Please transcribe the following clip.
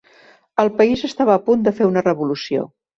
El país estava a punt de fer una revolució.